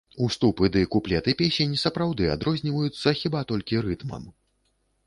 Уступы ды куплеты песень сапраўды адрозніваюцца хіба толькі рытмам.